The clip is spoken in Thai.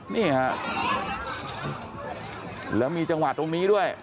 นี่ฮะแล้วมีจังหวะตรงนี้ด้วย